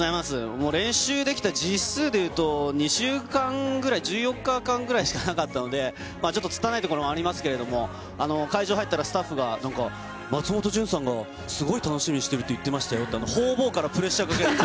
もう練習できた実数でいうと、２週間ぐらい、１４日間ぐらいしかなかったので、ちょっとつたないところもありますけれども、会場入ったらスタッフがなんか、松本潤さんがすごい楽しみにしてるって言ってましたよ、ってほうぼうからプレッシャーかけられて。